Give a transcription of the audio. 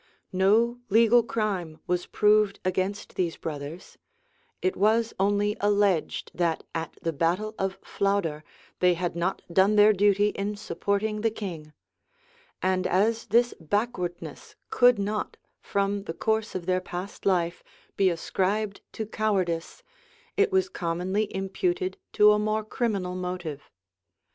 No legal crime was proved against these brothers: it was only alleged, that at the battle of Flouder they had not done their duty in supporting the king; and as this backwardness could not, from the course of their past life, be ascribed to cowardice, it was commonly imputed to a more criminal motive.